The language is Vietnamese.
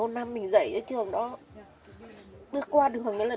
một mươi bốn năm mình dạy ở trường đó bước qua đường đến trường